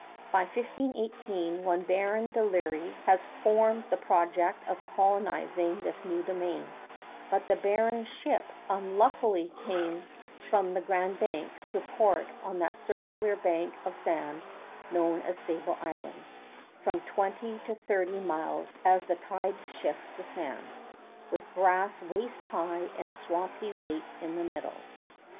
By 1518 one Baron de Lery has formed the project of colonizing this new domain; but the baron's ship unluckily came from the Grand Banks to port on that circular bank of sand known as Sable Island from twenty to thirty miles as the tide shifts the sand, with grass waist high and a swampy lake in the middle.